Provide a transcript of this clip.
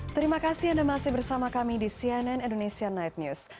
terima kasih anda masih bersama kami di cnn indonesia night news